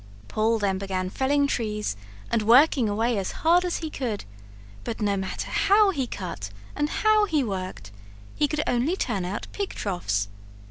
Paul then began felling trees and working away as hard as he could, but no matter how he cut and how he worked he could only turn out pig troughs.